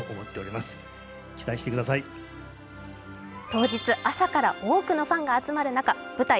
当日、朝から多くのファンが集まる中舞台